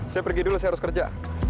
saya pergi dulu saya harus kerja